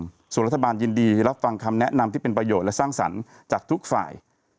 ส่วนรัฐบาลยินดีรับฟังคำแนะนำที่เป็นประโยชน์และสร้างสรรค์จากทุกฝ่าย